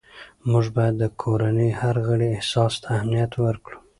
موږ باید د کورنۍ هر غړي احساس ته اهمیت ورکړو